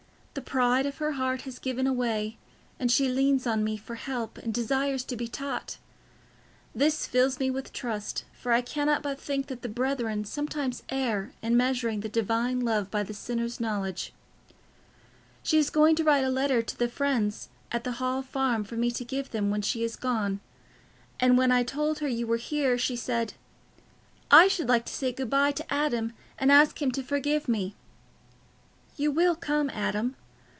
The pride of her heart has given way, and she leans on me for help and desires to be taught. This fills me with trust, for I cannot but think that the brethren sometimes err in measuring the Divine love by the sinner's knowledge. She is going to write a letter to the friends at the Hall Farm for me to give them when she is gone, and when I told her you were here, she said, 'I should like to say good bye to Adam and ask him to forgive me.' You will come, Adam?